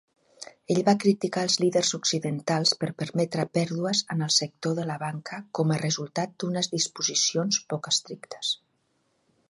Ell va criticar els líders occidentals per permetre pèrdues en el sector de la banca com a resultat d'unes disposicions poc estrictes.